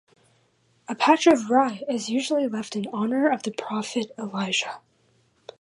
A patch of rye is usually left in honor of the Prophet Elijah.